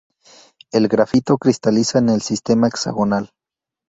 El grafito cristaliza en el sistema hexagonal.